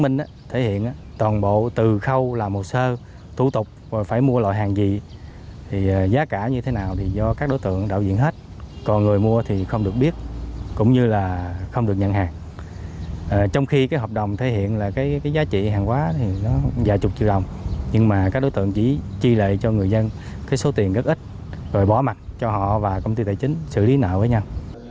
nhưng mà các đối tượng chỉ chi lệ cho người dân cái số tiền rất ít rồi bỏ mặt cho họ và công ty tài chính xử lý nợ với nhau